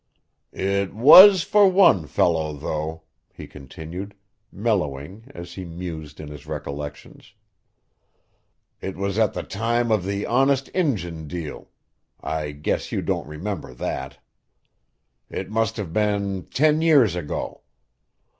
"It was for one fellow, though," he continued, mellowing as he mused in his recollections. "It was at the time of the Honest Injun deal I guess you don't remember that. It must have been ten years ago.